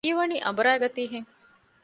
ހީވަނީ އަނބުރައިގަތީ ހެން